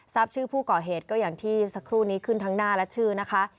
ชื่อผู้ก่อเหตุก็อย่างที่สักครู่นี้ขึ้นทั้งหน้าและชื่อนะคะ